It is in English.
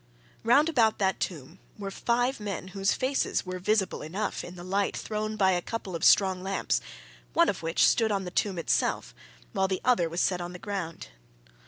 Round about that tomb were five men whose faces were visible enough in the light thrown by a couple of strong lamps, one of which stood on the tomb itself, while the other was set on the ground.